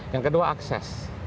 yang kedua akses